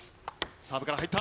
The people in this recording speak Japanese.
サーブから入った。